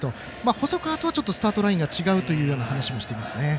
細川とはスタートラインが違うという話はしていました。